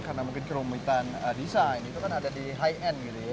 karena mungkin kerumitan desain itu kan ada di high end gitu ya